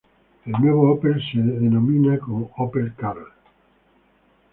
El nuevo Opel se de denominara como Opel Karl.